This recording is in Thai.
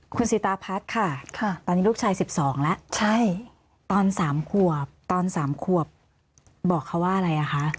คุณสิตาพัฒน์ค่ะตอนนี้ลูกชาย๑๒แล้วใช่ตอน๓ขวบตอน๓ขวบบอกเขาว่าอะไรอ่ะคะ